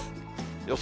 予想